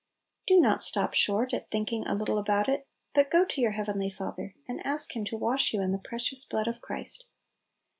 Do not stop short at thinking a little about it, but go to your heavenly Fa ther, and ask Him to wash you in the precious blood of Christ.